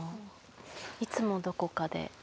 「いつもどこかで」。